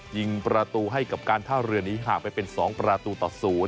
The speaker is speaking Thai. ยิงประตูให้กับการท่าเรือนี้ห่างไปเป็น๒ประตูต่อ๐